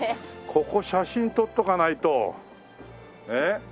ここ写真撮っとかないと。